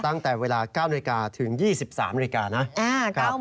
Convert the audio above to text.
ตั้งแต่เวลา๙๐๐นถึง๒๓๐๐นนะครับ